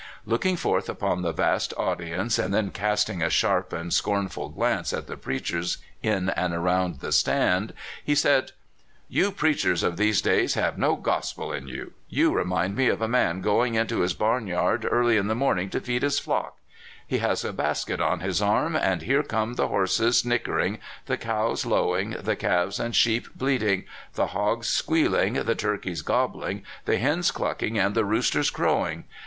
Looking forth upon the vast audience, and then casting a sharp and scornful glance at the preachers in and around "the stand," he said: " You preachers of these days have no gospel in you. You remind me of a man going into his barn yard early in the morning to feed his stock. He has a basket on his arm, and here come the horses nickering, the cows lowing, the calves and sheep bleating, the hogs squealing, the turkeys gobbling, the hens clucking, and the roosters crow ing.